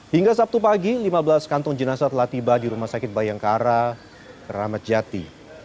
hingga sabtu pagi lima belas kantong jenazah telah tiba di rumah sakit bayangkara keramat jati